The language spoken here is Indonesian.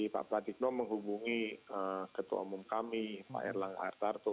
pak pratikno menghubungi ketua umum kami pak erlang artarto